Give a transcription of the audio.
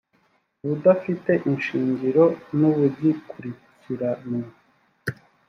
ubudafite ishingiro n ‘ubugikurikiranwa.